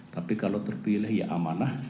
tapi kalau terpilih ya amanah